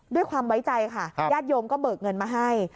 ด้วยความไว้ใจค่ะญาติโยมก็เบิกเงินมาให้